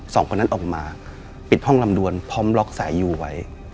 สองคนนั้นออกมาปิดห้องลำดวนพร้อมล็อกสายอยู่ไว้